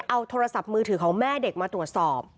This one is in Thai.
เอาโทรศัพท์มือถือของแม่เด็กมาตรวจสอบ